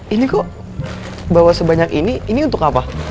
ini kok bawa sebanyak ini ini untuk apa